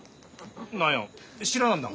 何や知らなんだか。